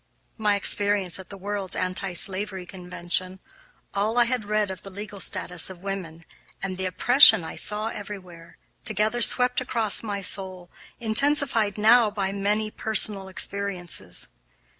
My experience at the World's Anti slavery Convention, all I had read of the legal status of women, and the oppression I saw everywhere, together swept across my soul, intensified now by many personal experiences.